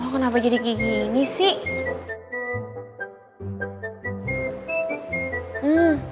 kenapa jadi kayak gini sih